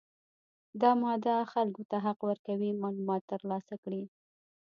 دا ماده خلکو ته حق ورکوي معلومات ترلاسه کړي.